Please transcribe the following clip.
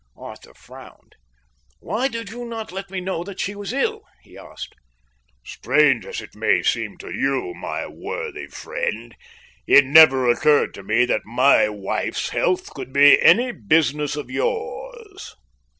Arthur frowned. "Why did you not let me know that she was ill?" he asked. "Strange as it may seem to you, my worthy friend, it never occurred to me that my wife's health could be any business of yours."